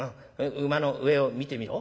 馬の上を見てみろ？